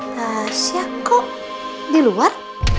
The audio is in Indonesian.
biasa kok di luar